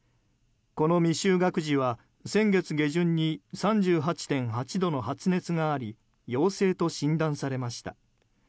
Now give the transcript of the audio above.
この未就学児は、先月下旬に３８．８度の発熱があり陽性と診断されました。